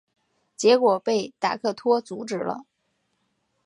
结果被达克托阻止了。